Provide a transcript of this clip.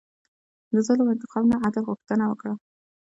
د ظلم انتقام نه، عدل غوښتنه وکړه.